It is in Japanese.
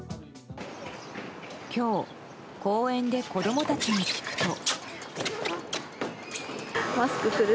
今日、公園で子供たちに聞くと。